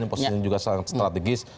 yang posisinya juga sangat strategis